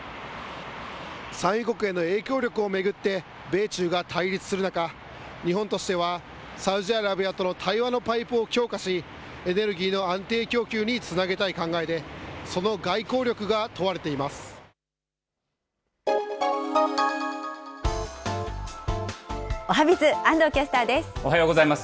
産油国への影響力を巡って米中が対立する中、日本としてはサウジアラビアとの対話のパイプを強化し、エネルギーの安定供給につなげたい考えで、その外交力が問われておはＢｉｚ、おはようございます。